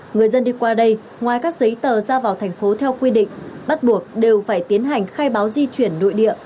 người dân đi qua đây ngoài các giấy tờ ra vào thành phố theo quy định bắt buộc đều phải tiến hành khai báo di chuyển nội địa